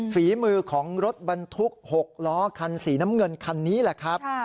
ฝีมือของรถบรรทุก๖ล้อคันสีน้ำเงินคันนี้แหละครับ